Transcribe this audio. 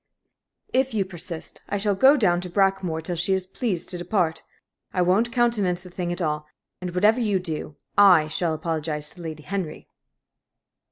If you persist, I shall go down to Brackmoor till she is pleased to depart. I won't countenance the thing at all, and, whatever you may do, I shall apologize to Lady Henry."